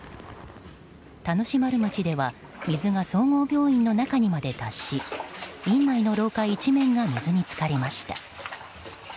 田主丸町では水が総合病院の中にまで達し院内の廊下一面が水に浸かりました。